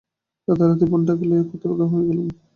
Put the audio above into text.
রাতারাতি বোনটাকে লইয়া কোথায় উধাও হইয়া গেল কুমুদ?